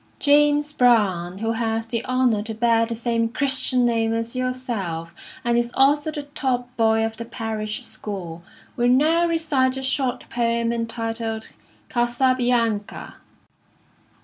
James Brown, who has the honour to bear the same Christian name as yourself, and is also the top boy of the Parish School, will now recite a short poem entitled 'Casabianca.'